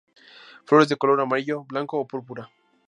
Flores de color amarillo, blanco o púrpura.